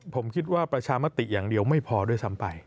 ผมคิดว่าประชามติอย่างเดียวไม่พอด้วยซ้ำไป